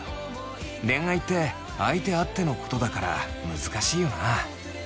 恋愛って相手あってのことだから難しいよな」。